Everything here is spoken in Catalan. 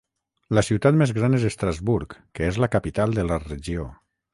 La ciutat més gran és Estrasburg que és la capital de la regió.